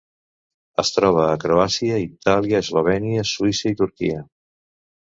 Es troba a Croàcia, Itàlia, Eslovènia, Suïssa i Turquia.